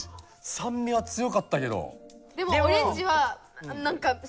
さんみは強かったけど。